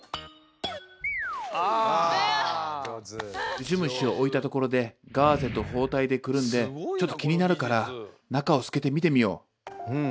ウジ虫を置いたところでガーゼと包帯でくるんでちょっと気になるから中を透けて見てみよう。